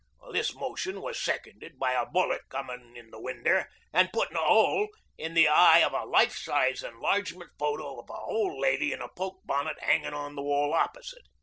This motion was seconded by a bullet comin' in the window an' puttin' a hole in the eye o' a life size enlargement photo of an old lady in a poke bonnet hangin' on the wall opposite.